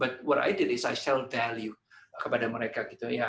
tapi apa yang saya lakukan adalah menjual nilai kepada mereka